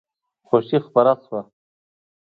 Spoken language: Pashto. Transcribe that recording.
خوښي خپره شوه.